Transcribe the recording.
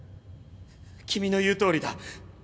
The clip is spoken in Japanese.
君の言うとおりだ。